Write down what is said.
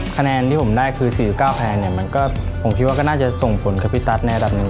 คะแนนที่ผมได้คือ๔๙แผงเนี่ยผมคิดว่าก็น่าจะส่งฝนกับพี่ตั๊ดในอันดับนึง